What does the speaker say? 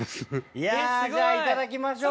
いやじゃあいただきましょう。